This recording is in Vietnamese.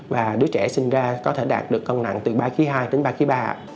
và đứa trẻ sinh ra có thể đạt được cân nặng từ ba hai kg đến ba ba kg